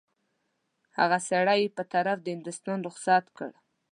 هغه سړی یې په طرف د هندوستان رخصت کړ.